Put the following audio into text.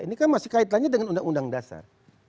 ini kan masih kaitannya dengan undang undang dasar